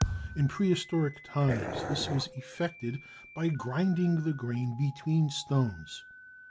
In prehistoric times this was effected by grinding the grain between stones.